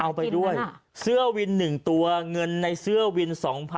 เอาไปด้วยเสื้อวิน๑ตัวเงินในเสื้อวิน๒๐๐๐